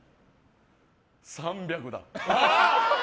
３００だ。